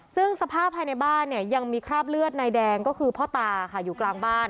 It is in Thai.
ซึ่งสภาพภายในบ้านเนี่ยยังมีคราบเลือดนายแดงก็คือพ่อตาค่ะอยู่กลางบ้าน